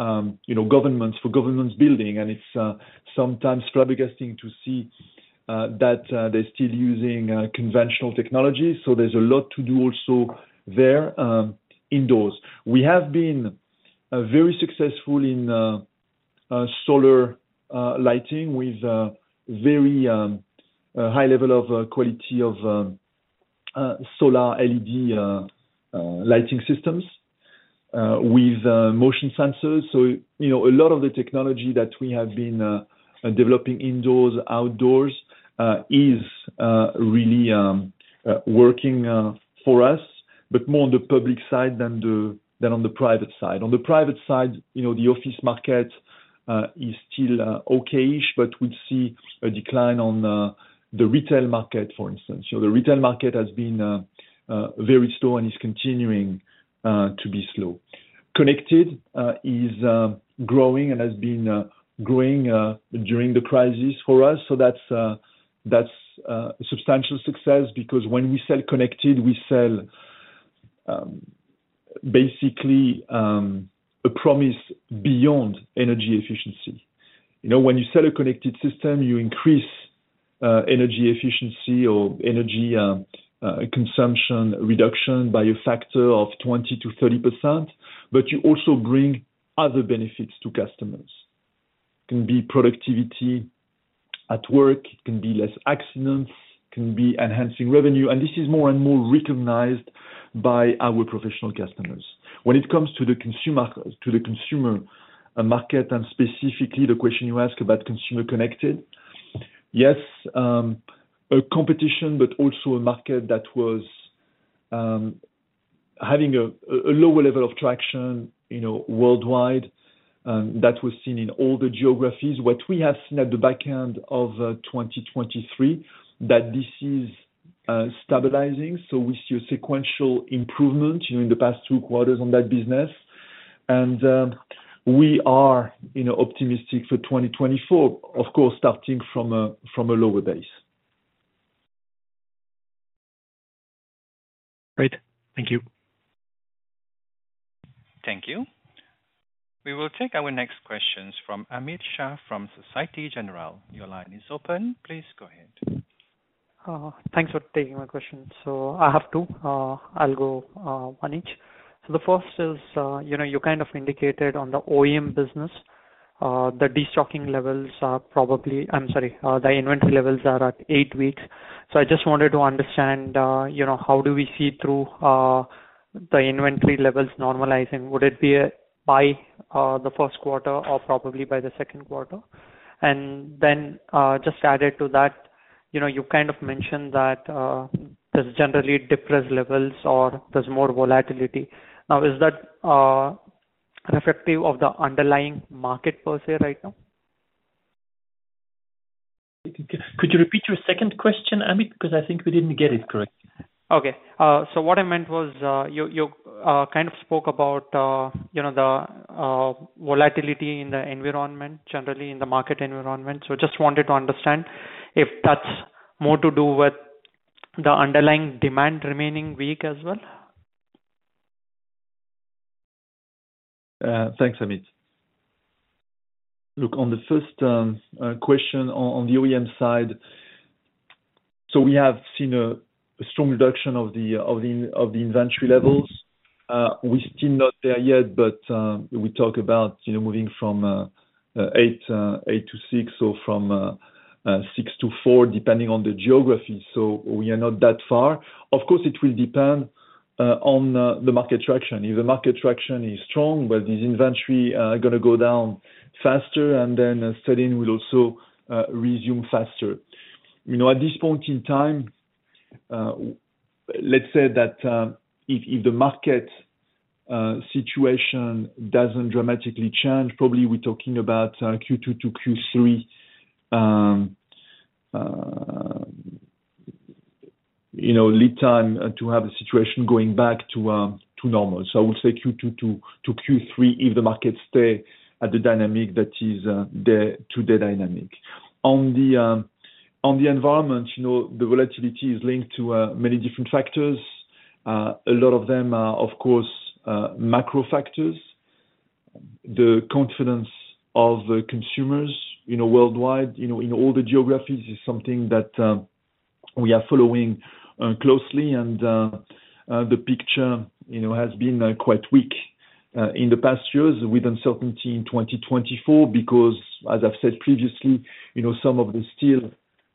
you know, governments, for governments building, and it's, sometimes flabbergasting to see, that, they're still using, conventional technologies. So there's a lot to do also there, indoors. We have been, very successful in, solar, lighting with, very, high level of, quality of, solar LED, lighting systems, with, motion sensors. So, you know, a lot of the technology that we have been, developing indoors, outdoors, is, really, working, for us, but more on the public side than the, than on the private side. On the private side, you know, the office market, is still, okay-ish, but we see a decline on, the retail market, for instance. So the retail market has been very slow and is continuing to be slow. Connected is growing and has been growing during the crisis for us. So that's substantial success because when we sell connected, we sell basically a promise beyond energy efficiency. You know, when you sell a connected system, you increase energy efficiency or energy consumption reduction by a factor of 20%-30%, but you also bring other benefits to customers. It can be productivity at work, it can be less accidents, it can be enhancing revenue, and this is more and more recognized by our professional customers. When it comes to the consumer market and specifically the question you ask about consumer connected. Yes, a competition, but also a market that was having a lower level of traction, you know, worldwide, that was seen in all the geographies. What we have seen at the back end of 2023, that this is stabilizing, so we see a sequential improvement during the past two quarters on that business... and we are, you know, optimistic for 2024, of course, starting from a lower base.
Great. Thank you.
Thank you. We will take our next questions from Amit Shah, from Société Générale. Your line is open, please go ahead.
Thanks for taking my question. So I have two, I'll go on each. So the first is, you know, you kind of indicated on the OEM business, the inventory levels are at 8 weeks. So I just wanted to understand, you know, how do we see through the inventory levels normalizing? Would it be by the first quarter or probably by the second quarter? And then, just added to that, you know, you kind of mentioned that, there's generally depressed levels or there's more volatility. Now, is that reflective of the underlying market per se right now?
Could you repeat your second question, Amit? 'Cause I think we didn't get it correct.
Okay. So what I meant was, you kind of spoke about, you know, the volatility in the environment, generally in the market environment. So just wanted to understand if that's more to do with the underlying demand remaining weak as well.
Thanks, Amit. Look, on the first question on the OEM side, so we have seen a strong reduction of the inventory levels. We're still not there yet, but we talk about, you know, moving from 8 to 6, or from 6 to 4, depending on the geography. So we are not that far. Of course, it will depend on the market traction. If the market traction is strong, well, this inventory gonna go down faster, and then selling will also resume faster. You know, at this point in time, let's say that if the market situation doesn't dramatically change, probably we're talking about Q2 to Q3, you know, lead time to have a situation going back to normal. So I would say Q2 to Q3, if the market stay at the dynamic, that is, the today dynamic. On the environment, you know, the volatility is linked to many different factors. A lot of them are, of course, macro factors. The confidence of the consumers, you know, worldwide, you know, in all the geographies, is something that we are following closely. The picture, you know, has been quite weak in the past years, with uncertainty in 2024. Because as I've said previously, you know, some of the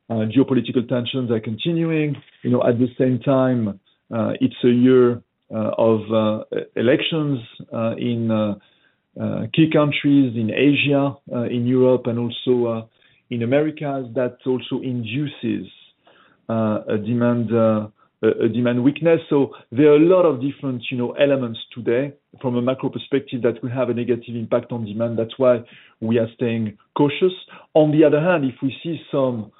still geopolitical tensions are continuing. You know, at the same time, it's a year of elections in key countries in Asia, in Europe, and also in Americas. That also induces a demand weakness. So there are a lot of different, you know, elements today from a macro perspective, that will have a negative impact on demand. That's why we are staying cautious. On the other hand, if we see some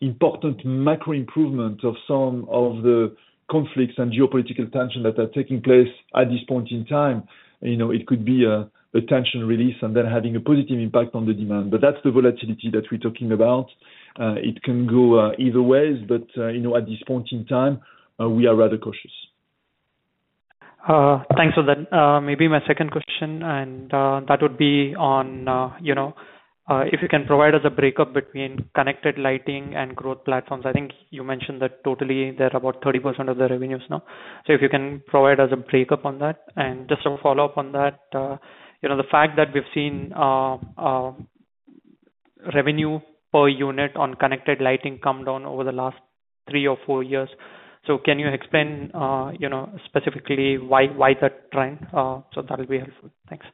important macro improvement of some of the conflicts and geopolitical tension that are taking place at this point in time, you know, it could be a tension release and then having a positive impact on the demand. But that's the volatility that we're talking about. It can go either ways, but, you know, at this point in time, we are rather cautious.
Thanks for that. Maybe my second question, and that would be on, you know, if you can provide us a breakdown between connected lighting and growth platforms. I think you mentioned that totally they're about 30% of the revenues now. So if you can provide us a breakdown on that. And just a follow-up on that, you know, the fact that we've seen revenue per unit on connected lighting come down over the last three or four years. So can you explain, you know, specifically why, why that trend? So that would be helpful. Thanks.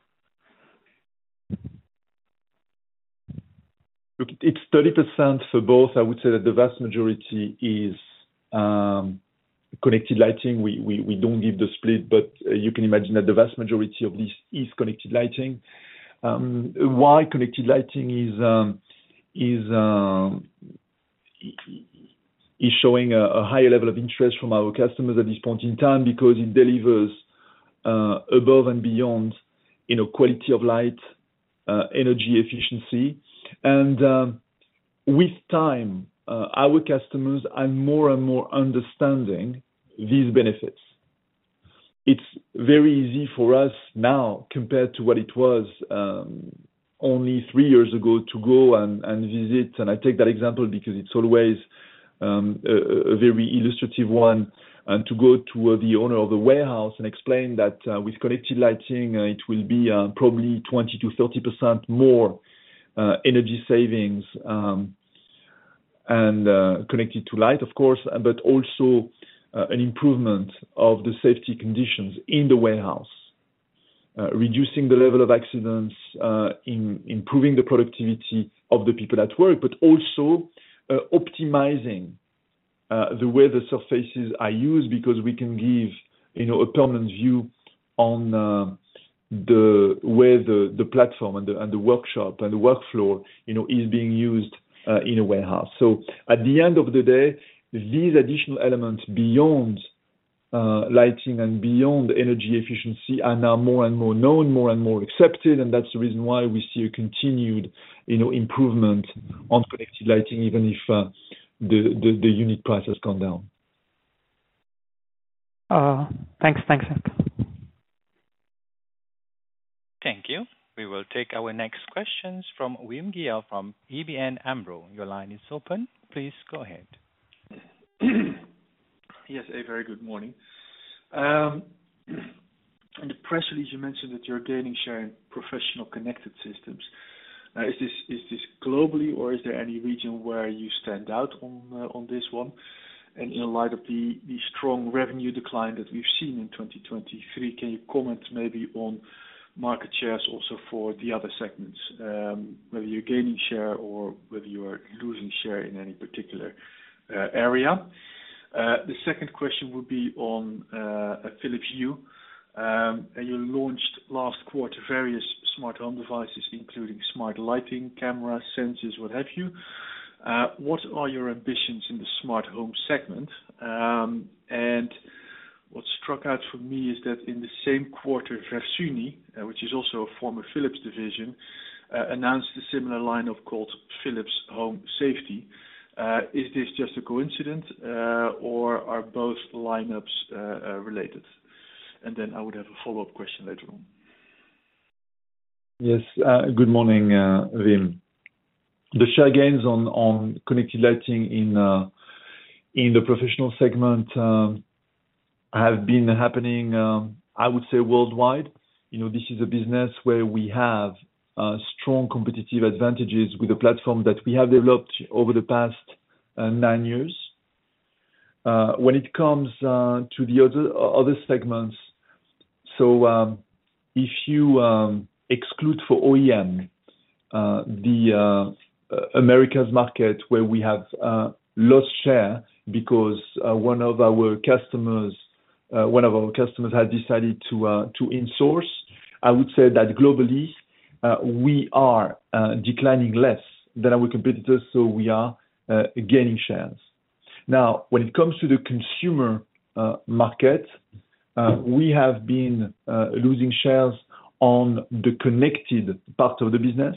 Look, it's 30% for both. I would say that the vast majority is connected lighting. We don't give the split, but you can imagine that the vast majority of this is connected lighting. Why connected lighting is showing a higher level of interest from our customers at this point in time, because it delivers above and beyond, you know, quality of light, energy efficiency. And with time, our customers are more and more understanding these benefits. It's very easy for us now, compared to what it was only three years ago, to go and visit, and I take that example because it's always a very illustrative one, and to go to the owner of the warehouse and explain that with connected lighting it will be probably 20%-30% more energy savings, and connected to light, of course, but also an improvement of the safety conditions in the warehouse. Reducing the level of accidents, improving the productivity of the people at work, but also optimizing the way the surfaces are used. Because we can give, you know, a permanent view on where the platform and the workshop, and the workflow, you know, is being used in a warehouse. So at the end of the day, these additional elements beyond lighting and beyond energy efficiency are now more and more known, more and more accepted, and that's the reason why we see a continued, you know, improvement on connected lighting, even if the unit price has come down.
Thanks. Thanks, Herb.
Thank you. We will take our next questions from Wim Gille from ABN AMRO. Your line is open. Please go ahead.
Yes, a very good morning. In the press release, you mentioned that you're gaining share in professional connected systems. Is this, is this globally, or is there any region where you stand out on, on this one? And in light of the, the strong revenue decline that we've seen in 2023, can you comment maybe on market shares also for the other segments, whether you're gaining share or whether you are losing share in any particular, area? The second question would be on, Philips Hue. And you launched last quarter various smart home devices, including smart lighting, cameras, sensors, what have you. What are your ambitions in the smart home segment? What stood out for me is that in the same quarter, Versuni, which is also a former Philips division, announced a similar line called Philips Home Safety. Is this just a coincidence, or are both lineups related? And then I would have a follow-up question later on.
Yes. Good morning, Wim. The share gains on connected lighting in the professional segment have been happening, I would say worldwide. You know, this is a business where we have strong competitive advantages with the platform that we have developed over the past nine years. When it comes to the other segments, so if you exclude for OEM the Americas market, where we have lost share because one of our customers had decided to insource, I would say that globally we are declining less than our competitors, so we are gaining shares. Now, when it comes to the consumer market, we have been losing shares on the connected part of the business,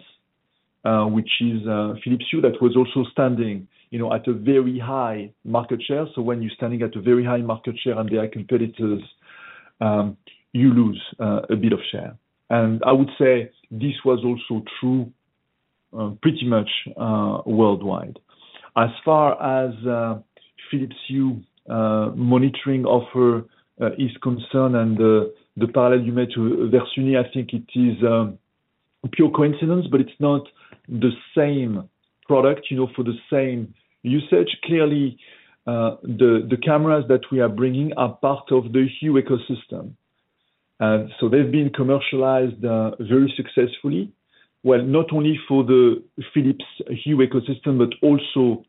which is Philips Hue, that was also standing, you know, at a very high market share. So when you're standing at a very high market share and there are competitors, you lose a bit of share. And I would say this was also true pretty much worldwide. As far as Philips Hue monitoring offer is concerned and the parallel you made to Versuni, I think it is a pure coincidence, but it's not the same product, you know, for the same usage. Clearly, the cameras that we are bringing are part of the Hue ecosystem, and so they've been commercialized very successfully, well, not only for the Philips Hue ecosystem, but also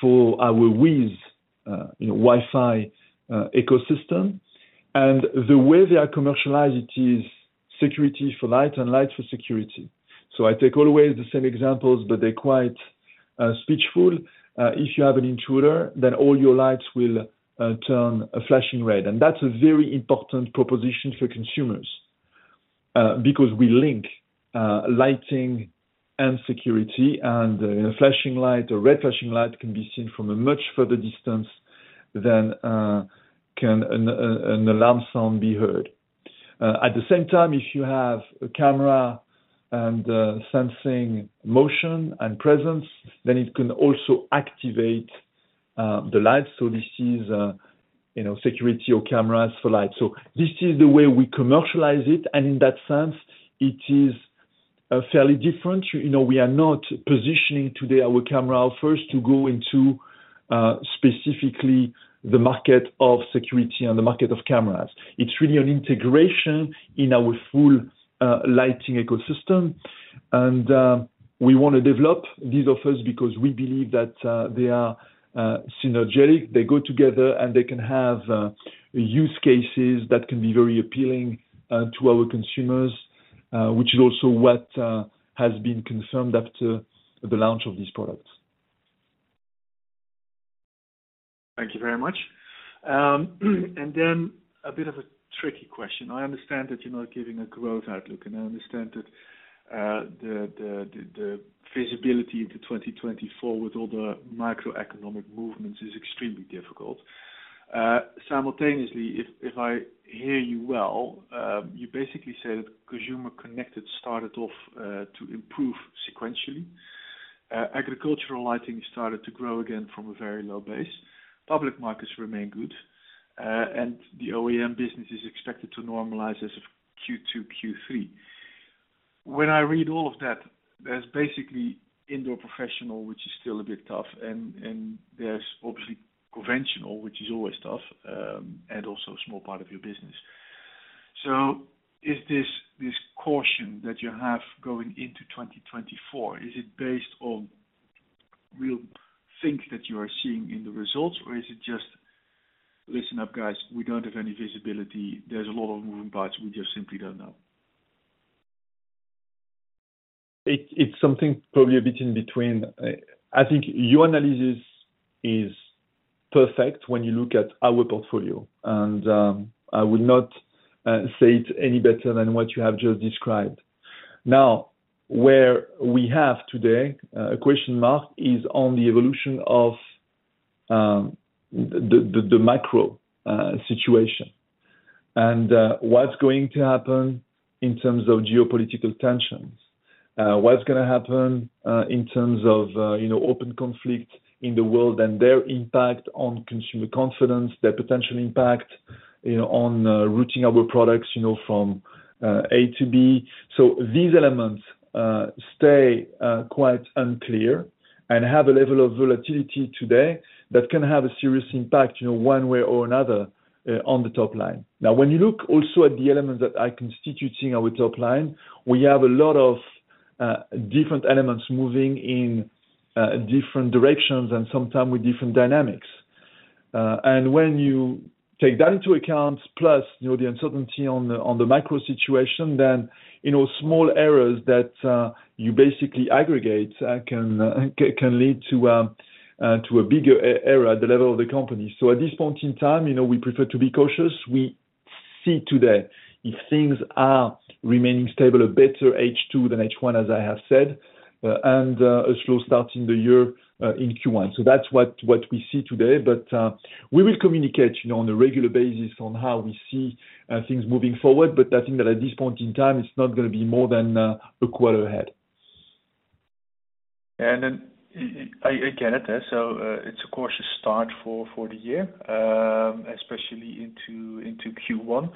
for our WiZ, you know, Wi-Fi ecosystem. And the way they are commercialized, it is security for light and light for security. So I take always the same examples, but they're quite speaking. If you have an intruder, then all your lights will turn flashing red. And that's a very important proposition for consumers, because we link lighting and security, and a flashing light, a red flashing light can be seen from a much further distance than can an alarm sound be heard. At the same time, if you have a camera and sensing motion and presence, then it can also activate the light. So this is, you know, security or cameras for light. So this is the way we commercialize it, and in that sense, it is fairly different. You know, we are not positioning today our camera first to go into specifically the market of security and the market of cameras. It's really an integration in our full lighting ecosystem, and we wanna develop these offers because we believe that they are synergetic. They go together, and they can have use cases that can be very appealing to our consumers, which is also what has been confirmed after the launch of these products.
Thank you very much. And then a bit of a tricky question. I understand that you're not giving a growth outlook, and I understand that the visibility into 2024 with all the macroeconomic movements is extremely difficult. Simultaneously, if I hear you well, you basically said Consumer Connected started off to improve sequentially. Agricultural lighting started to grow again from a very low base. Public markets remain good, and the OEM business is expected to normalize as of Q2, Q3. When I read all of that, there's basically indoor professional, which is still a bit tough, and there's obviously conventional, which is always tough, and also a small part of your business. So is this, this caution that you have going into 2024, is it based on real things that you are seeing in the results, or is it just, "Listen up, guys, we don't have any visibility, there's a lot of moving parts, we just simply don't know?...
It's something probably a bit in between. I think your analysis is perfect when you look at our portfolio, and I will not say it any better than what you have just described. Now, where we have today a question mark, is on the evolution of the macro situation, and what's going to happen in terms of geopolitical tensions? What's gonna happen in terms of you know, open conflict in the world and their impact on consumer confidence, their potential impact, you know, on routing our products, you know, from A to B. So these elements stay quite unclear and have a level of volatility today that can have a serious impact, you know, one way or another, on the top line. Now, when you look also at the elements that are constituting our top line, we have a lot of different elements moving in different directions and sometimes with different dynamics. And when you take that into account, plus, you know, the uncertainty on the macro situation, then, you know, small errors that you basically aggregate can lead to a bigger error at the level of the company. So at this point in time, you know, we prefer to be cautious. We see today, if things are remaining stable or better H2 than H1, as I have said, and a slow start in the year in Q1. So that's what we see today, but we will communicate, you know, on a regular basis on how we see things moving forward. But I think that at this point in time, it's not gonna be more than a quarter ahead.
Then I get it. So, it's a cautious start for the year, especially into Q1.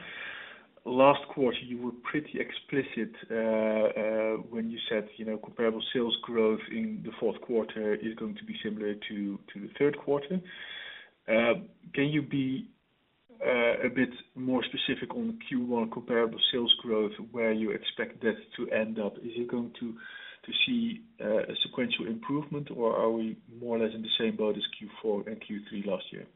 Last quarter, you were pretty explicit when you said, you know, comparable sales growth in the fourth quarter is going to be similar to the third quarter. Can you be a bit more specific on Q1 comparable sales growth, where you expect that to end up? Is it going to see a sequential improvement, or are we more or less in the same boat as Q4 and Q3 last year?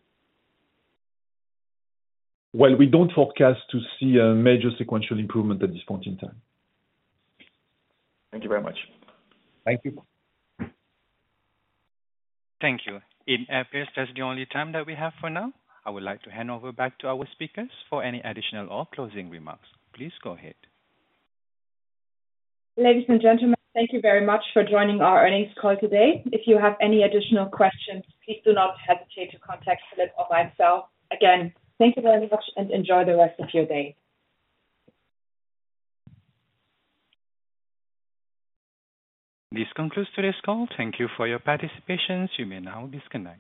Well, we don't forecast to see a major sequential improvement at this point in time.
Thank you very much.
Thank you.
Thank you. It appears that's the only time that we have for now. I would like to hand over back to our speakers for any additional or closing remarks. Please go ahead.
Ladies and gentlemen, thank you very much for joining our earnings call today. If you have any additional questions, please do not hesitate to contact Philip or myself. Again, thank you very much and enjoy the rest of your day.
This concludes today's call. Thank you for your participation. You may now disconnect.